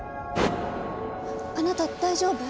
あなた大丈夫？